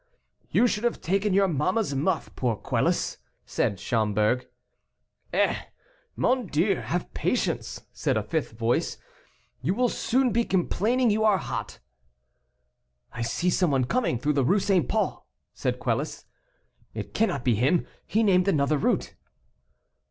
"You should have taken your mamma's muff, poor Quelus," said Schomberg. "Eh! mon Dieu, have patience," said a fifth voice; "you will soon be complaining you are hot." "I see some one coming through the Rue St. Paul," said Quelus. "It cannot be him; he named another route."